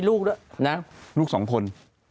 ลูกสองคน